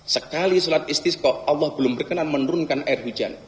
sekali sholat istisko allah belum berkenan menurunkan air hujan